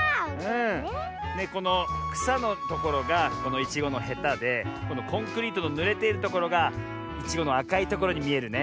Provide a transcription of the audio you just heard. このくさのところがいちごのへたでこのコンクリートのぬれているところがいちごのあかいところにみえるね。